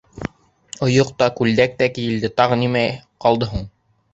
Ойоҡ та, күлдәк тә кейелде, тағы нимә ҡалды һуң?